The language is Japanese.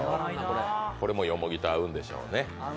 これもよもぎと合うんでしょうね。